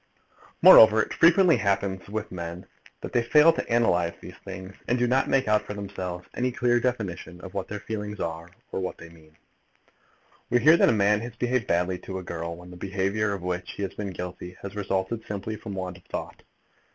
Moreover, it frequently happens with men that they fail to analyse these things, and do not make out for themselves any clear definition of what their feelings are or what they mean. We hear that a man has behaved badly to a girl, when the behaviour of which he has been guilty has resulted simply from want of thought.